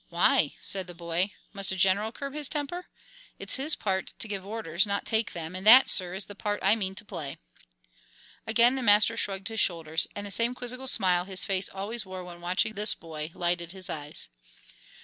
"Why?" said the boy. "Must a general curb his temper? It's his part to give orders, not to take them, and that, sir, is the part I mean to play." Again the master shrugged his shoulders, and the same quizzical smile his face always wore when watching this boy lighted his eyes.